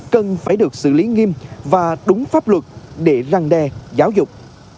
cần phải được xử lý nghiêm và đúng pháp luật để răng đe giáo dục